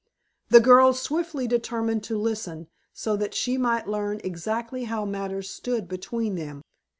The girl swiftly determined to listen, so that she might learn exactly how matters stood between them.